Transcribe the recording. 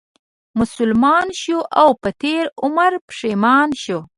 مسلمان شو او په تېر عمر پښېمان شو